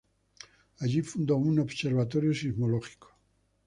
Allí fundó un observatorio sismológico.